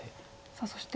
さあそして